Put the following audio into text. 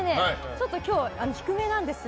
ちょっと今日、低めなんです。